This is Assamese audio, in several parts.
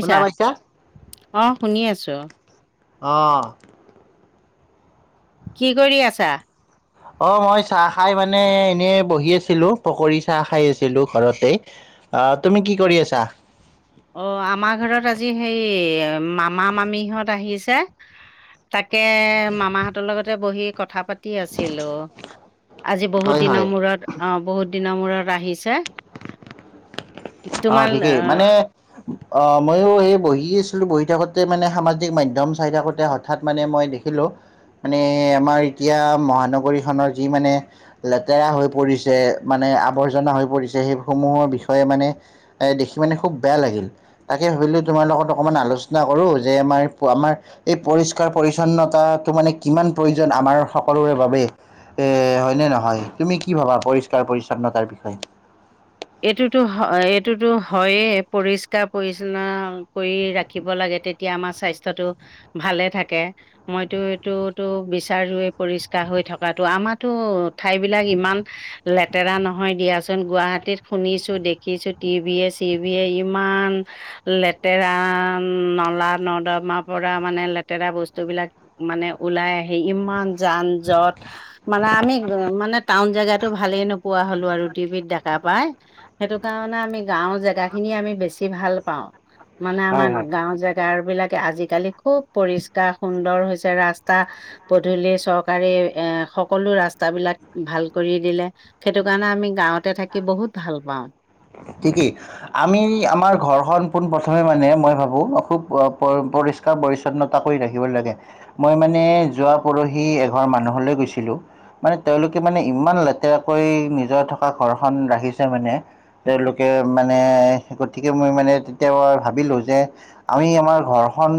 শুনা পাইছা? অ', শুনি আছোঁ। অঁ'। কি কৰি আছা? অ', মই চাহ খাই মানে এনেই বহি আছিলো, পকৰী চাহ খাই আছিলো ঘৰতে। অ', তুমি কি কৰি আছা? অ', আমাৰ ঘৰত আজি হেই মামা মামিহঁত আহিছে। তাকে মামাহঁতৰ লগতে বহি কথা পাতি আছিলো আজি বহুত হয় দিনৰ হয়। মূৰত অ', বহুত দিনৰ মূৰত আহিছে। অ', তোমাল ঠিকেই মানে অ', ময়ো এই বহি আছিলো বহি থাকোতে মানে সামাজিক মাধ্যম চাই থাকোতে হঠাৎ মানে মই দেখিলোঁ। মানে আমাৰ এতিয়া মহানগৰীখনৰ যি মানে লেতেৰা হৈ পৰিছে, মানে আৱৰ্জনা হৈ পৰিছে সেইসমূহৰ বিষয়ে মানে এই দেখি মানে খুব বেয়া লাগিল। তাকে ভাবিলো তোমাৰ লগত অকণমান আলোচনা কৰো, যে আমাৰ আমাৰ এই পৰিষ্কাৰ পৰি্ছন্নতাটো মানে কিমান প্ৰয়োজন আমাৰ সকলোৰে বাবে। হয়নে নহয়, তুমি কি ভবা পৰিষ্কাৰ পৰিচ্ছন্নতাৰ বিষয়ে? এইটোতো হয়, এইটোতো হয়েই, পৰিষ্কাৰ পৰি্ছন্ন কৰি ৰাখিব লাগে তেতি তেতিয়া আমাৰ স্বাস্থ্যতটো ভালে থাকে। মইতো এইটোতো বিচাৰোৱেই পৰিষ্কাৰ হৈ থকাতটো আমাৰো ঠাই বিলাক ইমান লেতেৰা নহয়, দিয়াচোন গুৱাহাটীত শুনিছো দেখিছো টিভি এ চি ভে ইমান লেতেৰা নলা নৰ্দমা পৰা মানে লেতেৰা বস্তুবলাক মানে ওলাই আহি ইমান যান-যট মানে আমি মানে টাউন জেগাতো ভালে নোপোৱা হলো আৰু টিভিত দেখা পাই। সেইটো কাৰণে আমি গাঁওৰ জেগা খিনি আমি বেছি ভাল পাওঁ, মানে হয় আমাৰ হয় গাঁওৰ জেগা বিলাকে আজিকালি খুব পৰিষ্কাৰ সুন্দৰ হৈছে ৰাস্তা পধূলি চৰকাৰে এ সকলো ৰাস্তাবিলাক ভাল কৰি দিলে। সেইটো কাৰণে আমি গাঁৱতে থাকি বহুত ভাল পাওঁ। ঠিকি আমি আমাৰ ঘৰখন পোনপ্ৰথমে মানে মই ভাবোঁ খুব পৰি কা পৰিচ্ছন্নতা কৰি ৰাখিব লাগে। মই মানে যোৱা পৰহি এঘৰ মানুহলৈ গৈছিলোঁ মানে তেওঁলোকে মানে ইমান লেতেৰাকৈ নিজৰ থকা ঘৰখন ৰাখিছে মানে। তেওঁলোকে মানে, গতিকে মই মানে তেতিয়া ভাবিলোঁ যে আমি আমাৰ ঘৰখন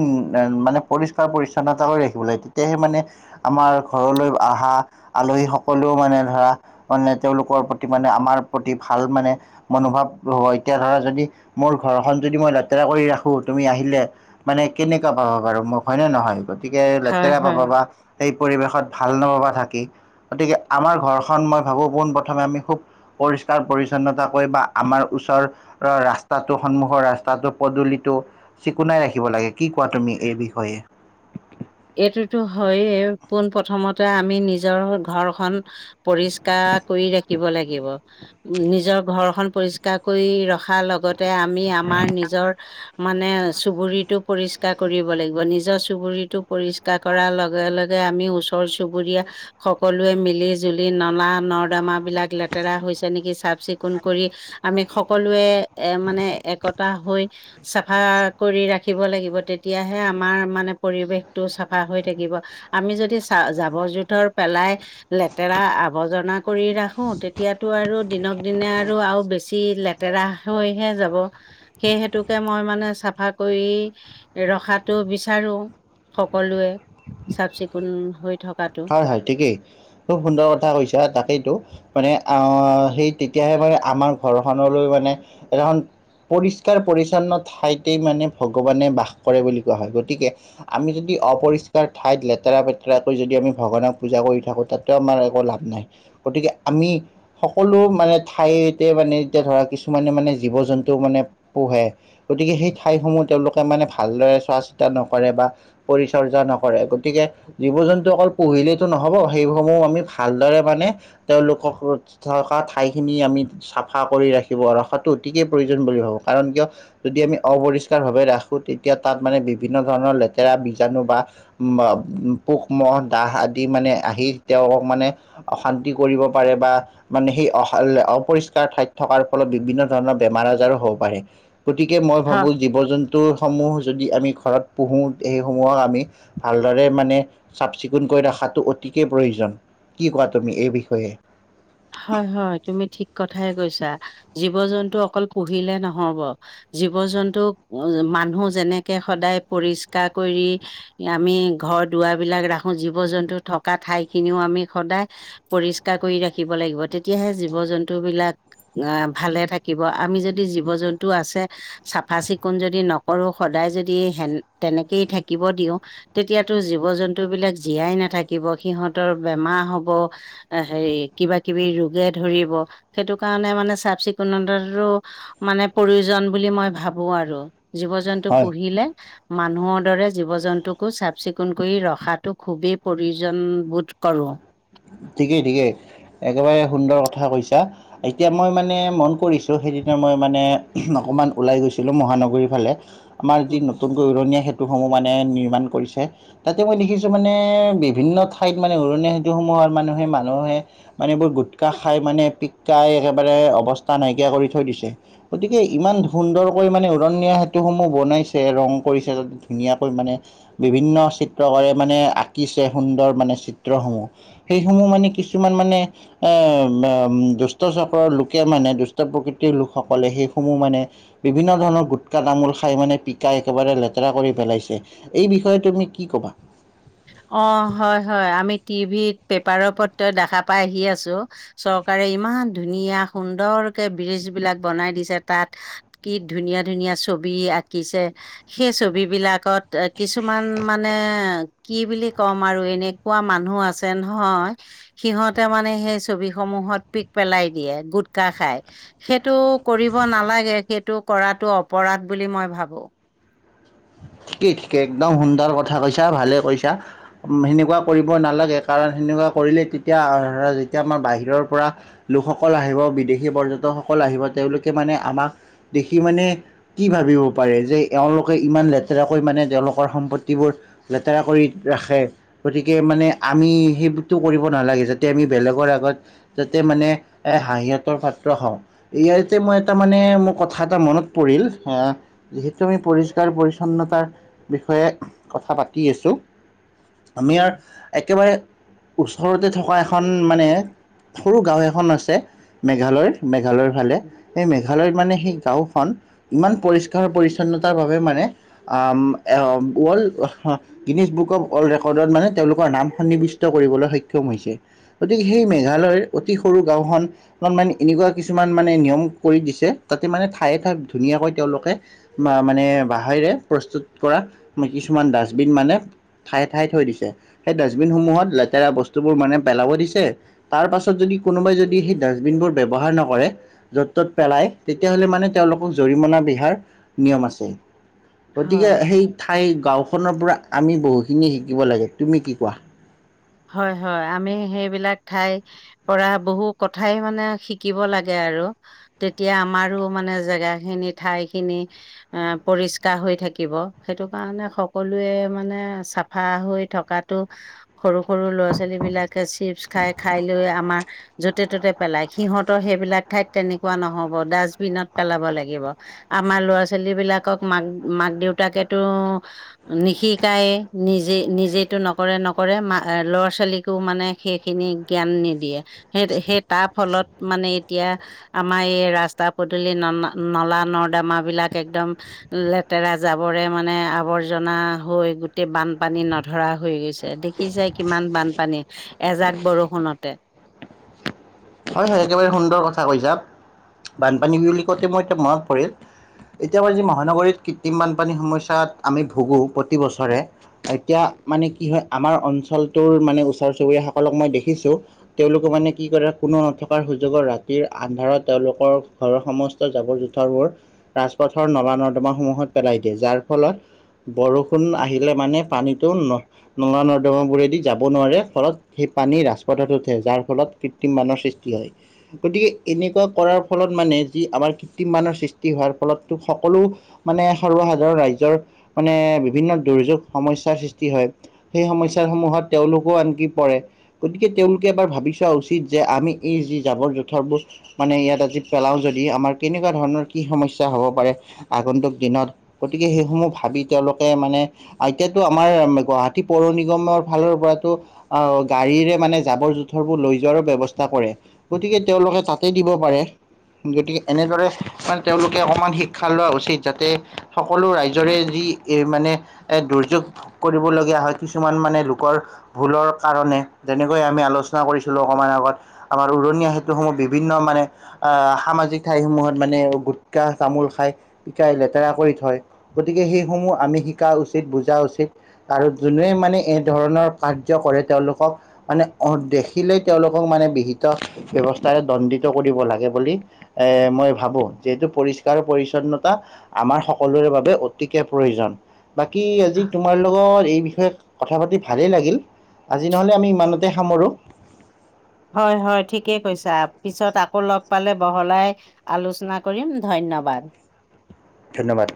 মানে পৰিষ্কাৰ পৰিচ্ছন্নতা কৰি ৰাখিব লাগে তেতিয়াহে মানে আমাৰ ঘৰলৈ আহা আলহীসকলেও মানে ধৰা মানে তেওঁলোকৰ প্ৰতি মানে আমাৰ প্ৰতি ভাল মানে মনোভাৱ হ, এতিয়া ধৰা যদি মোৰ ঘৰখন যদি মই লেতেৰা কৰি ৰাখোঁ তুমি আহিলে মানে কেনেকুৱা ভাবা বাৰু মোক হয়নে নহয়? গতিকে হয় লেতেৰা পাব হয়। বা সেই পৰিৱেশত ভাল নাপাবা থাকি। গতিকে আমাৰ ঘৰখন মই ভাবোঁ পোনপ্ৰথমে আমি খুব পৰিষ্কাৰ পৰিছন্নতা বা আমাৰ ওচৰৰ ৰাস্তাটো, সন্মুখৰ ৰাস্তাটো, পদূলিটো চিকুণাই ৰাখিব লাগে, কি কোৱা তুমি এই বিষয়ে? এইটোতো হয়য়ে, পোন প্ৰথমতে আমি নিজৰ ঘৰখন পৰিষ্কাৰ কৰি ৰাখিব লাগিব, উ, নিজৰ ঘৰখনন পৰিছ কৰি ৰখাৰ লগতে আমি আমাৰ নিজৰ মানে চুবুুৰিটো পৰিছ পৰিষ্কাৰ কৰিব লাগিব, নিজৰ চুবুৰীটো পৰিষ্কাৰ কৰাৰ লগে লগে আমি ওচৰ চুবুৰীয়া সকলোৱে মিলি জুলি নলা নৰ্দমাবিলাক লেতেৰা হৈছে নেকি, চাফ চিকুণ কৰি আমি সকলোৱে এ, মানে একতা হৈ চাফা কৰি ৰাখিব লাগিব, তেতিয়াহে আমাৰ মানে পৰিৱেশ টো চাফা হৈ থাকিব, আমি যদি চা জাবৰ জোথৰ পেলাই লেতেৰা আৱৰ্জনা কৰি ৰাখোঁ, তেতিয়াটো আৰু দিনক দিনে আৰু আৰু বেছি লেতে তেৰাহ হৈহে যাব। সেইহেতুকে মই মানে চাফা কৰি ৰখাটো বিচাৰোঁ। সকলোৱে চাফ চিকুণ হৈ থকাটো। হয় হয়, ঠিকেই খুব সুন্দৰ কথা কৈছা, তাকেইতো মানে আহ, সেই তেতিয়াহে মানে আমাৰ ঘৰখনলৈ মানে সেইনাখন পৰিষ্কাৰ পৰিচ্ছন্ন ঠাইতেই মানে ভগৱানে বাস কৰে বুলি কোৱা হয় গতিকে আমি যদি অপৰিষ্কাৰ ঠাইত লেতেৰা পেতেৰাকৈ যদি আমি ভগৱানক পূজা কৰি থাকোঁ, তাততো আমাৰ একো লাভ নাই, গতিকে আমি সকলো মানে ঠাইতে মানে, এতিয়া ধৰা কিছুমানে মানে জীৱ জন্তু মানে পোহে। গতিকে সেই ঠাইসমূহ তেওঁলোকে মানে ভালদৰে চোৱা চিতা নকৰে বা পৰিচৰ্যা নকৰে, গতিকে জীৱ জন্তু অকল পুহিলেতো নহ'ব, সেইসমূহ আমি ভালদৰে মানে তেওঁলোকক থকা ঠাইখিনি আমি চাফা কৰি ৰাখিব ৰখাটো অতিকে প্ৰয়োজন বুলি ভাবোঁ কাৰণ কিয় যদি আমি অপৰিষ্কাৰ ভাৱে ৰাখো তেতিয়া তাত মানে বিভিন্ন ধৰণৰ লেতেৰা, বীজাণু বা বা পোক, মহ, দাহ আদি মানে আহি তেওঁক মানে অশান্তি কৰিব পাৰে বা মানে সেই অপৰিষ্কাৰ ঠাইত থকাৰ ফলত বিভিন্ন ধৰণৰ বেমাৰ আজাৰো হ'ব পাৰে। গতিকে মই হয়। ভাবোঁ জীৱ জন্তুসমূহ যদি আমি ঘৰত পোহোঁ, সেইসমূহক আমি ভালদৰে মানে চাফ চিকুণকৈ ৰাখাটো অতিকে প্ৰয়োজন, কি কোৱা তুমি এই বিষয়ে? হয় হয় তুমি ঠিক কথাই কৈছা, জীৱ জন্তু অকল পুহিলে নহ'ব জীৱ জন্তুক মানুহ যেনেকে সদায় পৰিষ্কাৰ কৰি আমি ঘৰ দুৱাৰবিলাক ৰাখো, জীৱ জন্তু থকা ঠাইখিনিও আমি সদায় পৰিষ্কাৰ কৰি ৰাখিব লাগিব তেতিয়াহে জীৱ জন্তুবিলাক ভালে থাকিব, আমি যদি জীৱ জন্তু আছে চাফা-চিকুণ যদি নকৰো সদায় যদি হেন তেনেকেই থাকিব দিওঁ তেতিয়াতো জীৱ-জন্তুবিলাক জীয়াই নাথাকিব। সিহঁতৰ বেমাৰ হ'ব। এ হেৰি কিবা-কিবি ৰোগে ধৰিব। সেইটো কাৰণে মানে চাফ চিকুণতাতো মানে প্ৰয়োজন বুলি মই ভাবো আৰু জীৱ-জন্তু হয়। পুহিলে। মানুহৰ দৰে জীৱ-জন্তুকো চাফ-চিকুণ কৰি ৰখাটো খুবেই প্ৰয়োজনবোধ কৰোঁ। ঠিকেই ঠিকেই। একেবাৰে সুন্দৰ কথা কৈছা। এতিয়া মই মানে মন কৰিছোঁ সেইদিনা মই মানে অকণমান ওলাই গৈছিলোঁ মহানগৰীৰ ফালে। আমাৰ যি নতুনকৈ উৰণীয়া সেতুসমূহ মানে নিৰ্মাণ কৰিছে। তাতে মই দেখিছো মানে বিভিন্ন ঠাইত মানে উৰণীয়া সেতুসমূহৰ মানুহে মানুহে মানে এইবোৰ গুটখা খাই মানে পিকাই একেবাৰে অৱস্থা নাইকিয়া কৰি থৈ দিছে। গতিকে ইমান সুন্দৰকৈ মানে উৰণীয়া সেতুসমূহ বনাইছে, ৰং কৰিছে তাতে ধুনীয়াকৈ মানে। বিভিন্ন চিত্ৰকাৰে মানে আঁকিছে সুন্দৰ মানে চিত্ৰসমূহ। সেইসমূহ মানে কিছুমান মানে এ দুষ্ট চক্ৰৰ লোকে মানে দুষ্ট প্ৰকৃতিৰ লোকসকলে সেইসমূহ মানে বিভিন্ন ধৰণৰ গুটকা, তামোল খাই মানে পিকাই একেবাৰে লেতেৰা কৰি পেলাইছে। এই বিষয়ে তুমি কি ক'বা? অ', হয় হয়। আমি টিভিত, পেপাৰ-পত্ৰই দেখা পাই আহি আছো। চৰকাৰে ইমান ধুনীয়া সুন্দৰকে ব্ৰীজ বিলাক বনাই দিছে তাত। কি ধুনীয়া ধুনীয়া ছবি আঁকিছে। সেই ছবিবিলাকত কিছুমান মানে কি বুলি কম আৰু এনেকুৱা মানুহ আছে নহয়। সিহঁতে মানে সেই ছবিসমূহত পিক পেলাই দিয়ে গুটকা খাই। সেইটো কৰিব নালাগে। সেইটো কৰাটো অপৰাধ বুলি মই ভাবো। ঠিক একদম সুন্দৰ কথা কৈছা, ভালে কৈছা। উম, হেনেকুৱা কৰিব নালাগে। কাৰণ হেনেকুৱা কৰিলে তেতিয়া অ', যেতিয়া আমাৰ বাহিৰৰ পৰা লোকসকল আহিব, বিদেশী পৰ্যটকসকল আহিব তেওঁলোকে মানে আমাক দেখি মানে কি ভাবিব পাৰে যে এওঁলোকে ইমান লেত লেতেৰা কৈ মানে তেওঁলোকৰ সম্পত্তিবোৰ লেতেৰা কৰি ৰাখে। গতিকে মানে আমি সেইবটো কৰিব নালাগে যাতে আমি বেলেগৰ আগত যাতে মানে হাঁহিঅতৰ পাত্ৰ হওঁ। ইয়াতে মই এটা মানে মোৰ কথা এটা মনত পৰিল আহ যিহেতু আমি পৰিষ্কাৰ পৰি চ্ছনতাৰ বিষয়ে কথা পাতি আছো। আমি আৰ একেবাৰে ওচৰতে থকা এখন মানে সৰু গাঁও এখন আছে। মেঘালয়ৰ মেঘালয়ৰ ফালে। সেই মেঘালয়ত মানে সেই গাঁওখন ইমান পৰিষ্কাৰ পৰিচ্ছন্নতাৰ বাবে মানে আহ উম এ উম ওৱৰ্লড হ গিনিছ বুক অৱ ৱৰ্ল্ড ৰেকৰ্ডত মানে তেওঁলোকৰ নাম সন্নিবিষ্ট কৰিবলৈ সক্ষম হৈছে। গতিকে সেই মেঘালয়ৰ অতি সৰু গাঁওখন অলপমান এনেকুৱা কিছুমান মানে নিয়ম কৰি দিছে তাতে মানে ঠায়ে ঠায়ে ধুনীয়াকৈ তেওঁলোকে বা মানে বাঁহেৰে প্ৰস্তুত কৰা কিছুমান ডাষ্টবিন মানে ঠায়ে ঠায়ে থৈ দিছে। সেই ডাষ্টবিনসমূহত লেতেৰা বস্তুবোৰ মানে পেলাব দিছে। তাৰ পাছত যদি কোনোবাই যদি সেই ডাষ্টবিনবোৰ ব্যৱহাৰ নকৰে য'ত ত'ত পেলাই। তেতিয়া হ'লে মানে তেওঁলোকক জৰিমনা বিহাৰ নিয়ম আছে। গতিকে হয়। সেই ঠাই গাঁওখনৰ পৰা আমি বহুখিনি শিকিব লাগে। তুমি কি কোৱা? হয় হয়। আমি সেইবিলাক ঠাই পৰা বহু কথাই মানে শিকিব লাগে আৰু। তেতিয়া আমাৰো মানে জেগাখিনি, ঠাইখিনি। আ পৰিষ্কাৰ হৈ থাকিব। সেইটো কাৰণে সকলে মানে চাফা হৈ থকাত টো সৰু সৰু ল'ৰা-ছোৱালীবিলাকে চিপছ্ খাই খাই লৈ আমাৰ য'তে-ত'তে পেলাই। সিহঁতৰ সেইবিলাক ঠাইত তেনেকুৱা নহ'ব। ডাষ্টবিনত পেলাব লাগিব। আমাৰ ল'ৰা-ছোৱালীবিলাকক মাক-মাক-দেউতাকতো নিশিকায় নিজে নিজেইটো নকৰে নক কৰে ল'ৰা ছোৱালীকো মানে সেইখিনি জ্ঞান নিদিয়ে। সেই সেই তাৰ ফলত মানে এতিয়া আমাৰ এই ৰাস্তা পদূলি ন নলা নৰ্দাম বিলাক একদম লেতেৰা জাবৰে মানে আৱৰ্জনা হৈ গোটেই বানপানী নধৰা হৈ গৈছে দেখি যাই কিমান বানপানী এজাক বৰষুণতে। হয়, হয় একেবাৰে সুন্দৰ কথা কৈছা, বানপানী বুলি কওঁতে মোৰ এতিয়া মনত পৰিল। এতিয়া আমাৰ যি মহানগৰীত কৃত্ৰিম বানপানীৰ সমস্যাত আমি ভুগোঁ প্ৰতি বছৰে এতিয়া মানে কি হয় আমাৰ অঞ্চলটোৰ মানে ওচৰ চুবুৰীয় সকলক মই দেখিছোঁ তেওঁলোক মানে কি কৰে কোনো নথকাৰ সুযোগত ৰাতিৰ আন্ধাৰত তেওঁলোকৰ ঘৰৰ সমস্ত জাবৰ জোঁথৰবোৰ ৰাজপথৰ নলা নৰ্দমাসমূহত পেলাই দিয়ে যাৰ ফলত বৰষুণ আহিলে মানে পানীতটো ন নলা নৰ্দম বোৰেদি যাব নোৱাৰে ফলত সেই পানী ৰাজপথত উঠে যাৰ ফলত মানৰ সৃষ্টি হয়। গতিকে এনেকুৱা কৰাৰ ফলত মানে যি আমাৰ কৃত্ৰিম মানৰ সৃষ্টি হোৱাৰ ফলতো সকলো মানে সৰ্বসাধাৰণ ৰাজইৰ মানে বিভিন্ন দুৰ্যোগ সমস্যাৰ সৃষ্টি হয়। সেই সমস্যাসমূহ সমূহত তেওঁলোকো আনকি পৰে গতিকে তেওঁলোকে এবাৰ ভাবি চোৱা উচিত উচিত যে আমি এই যি জাবৰ জোঁথৰবোৰ মানে ইয়াত আজি পেলাওঁ যদি আমাৰ কেনেকুৱা ধৰণৰ কি সমস্যা হ'ব হব পাৰে আগন্তুক দিনত গতিকে সেইসমূহ ভাবি তেওঁলোকে মানে এতিয়াতো আমাৰ গুৱাহাটী পৌৰ নিগমৰ ফালৰ পৰাতো অ', গাড়ীৰে মানে জাবৰ জোঁথৰ বোৰ লৈ যোৱাৰ ব্যৱস্থা কৰে গতিকে তেওঁলোকে তাতে দিব পাৰে। গতিকে এনেদৰে তেওঁলোকে অকণমান শিক্ষা লোৱা উচিত যাতে সকলো ৰাইজৰে যি এই মানে দুৰ্যোগ কৰিবলগীয়া হয় কিছুমান মানে লোকৰ ভুলৰ কাৰণে যেনেকৈ আমি আলোচনা কৰিছোঁ। অপল অকমান আগত আমাৰ উৰণীয়া সেতুসমূহ বিভিন্ন মানে আহ সামাজিক ঠাইসমূহত মানে গুটখা তামোল খাই পিকাই লেতেৰা কৰি থয় গতিকে সেইসমূহ আমি শিকা উচিত বুজা উচিত। আৰু যোনে মানে এ ধৰণৰ কাৰ্য্য কৰে তেওঁলোকক মানে অদেশ শিকিলেই তেওঁলোকক মানে বিহিত ব্যৱস্থাৰে দণ্ডিত কৰিব লাগে বুলি এ মই ভাবোঁ যিহেতু পৰিষ্কাৰ পৰিচ্ছন্নতা আমাৰ সকলোৰে বাবে অতিকে প্ৰয়োজন বাকী আজি তোমাৰ লগত এই বিষয়ে কথা পাতি ভালেই লাগিল আজি নহ'লে আমি ইমানতে সামৰোঁ। হয়, হয় ঠিকেই কৈছা পিছত আকৌ লগ পালে বহলাই আলোচনা কৰিম ধন্যবাদ। ধন্যবাদ।